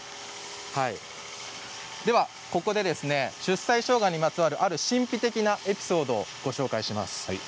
では、ここで出西しょうがにまつわるある神秘的なエピソードをご紹介します。